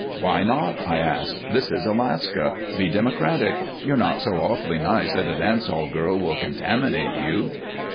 "Why not?" I asked. "This is Alaska. Be democratic. You're not so awfully nice that a dance hall girl will contaminate you."